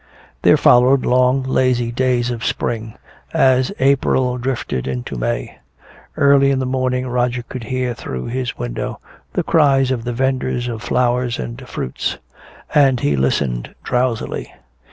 There followed long lazy days of spring, as April drifted into May. Early in the morning Roger could hear through his window the cries of the vendors of flowers and fruits. And he listened drowsily.